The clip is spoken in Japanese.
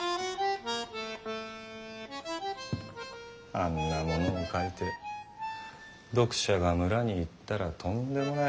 あんなものを描いて読者が村に行ったらとんでもない。